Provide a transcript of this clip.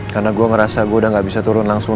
karena gue ngerasa gue udah gak bisa turun langsung